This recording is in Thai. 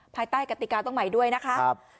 ภายใต้กติกาต้องใหม่ด้วยนะคะ